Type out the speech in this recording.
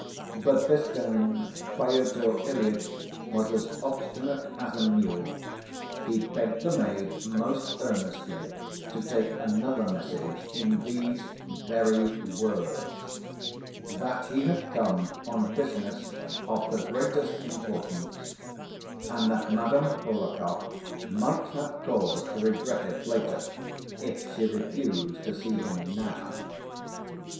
But this time Pyotr Ilyitch was as obstinate as a mule. He begged the maid most earnestly to take another message in these very words: "That he had come on business of the greatest importance, and that Madame Hohlakov might have cause to regret it later, if she refused to see him now."